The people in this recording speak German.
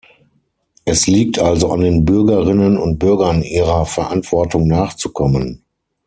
Es liegt also an den Bürgerinnen und Bürgern, ihrer Verantwortung nachzukommen.